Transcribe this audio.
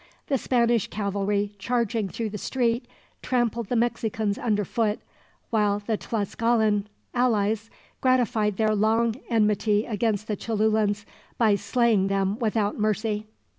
The Spanish cavalry charging through the street trampled the Mexicans under foot, while the Tlascalan allies gratified their long enmity against the Cholulans by slaying them without mercy.